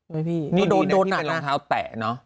ไม่พี่โดนอากาศนี่ดีนะที่เป็นรองเท้าแตะ